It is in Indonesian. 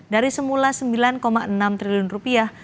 dari semula sembilan enam triliun rupiah